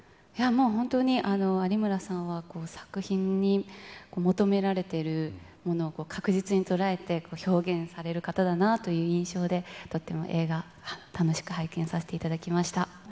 本当に、有村さんは、作品に求められているものを確実に捉えて、表現される方だなという印象で、とっても映画、楽しく拝見させていただきました。